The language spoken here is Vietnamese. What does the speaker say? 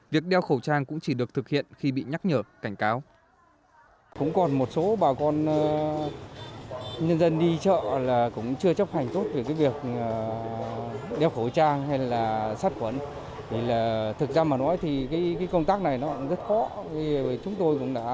việc đeo khẩu trang cũng chỉ được thực hiện khi bị nhắc nhở cảnh cáo